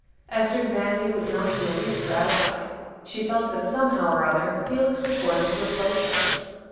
Esther's vanity was not in the least gratified: she felt that, somehow or other, Felix was going to reproach her.